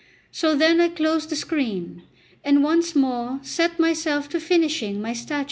So then I closed the screen, and once more set myself to finishing my statue.